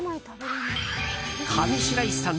上白石さん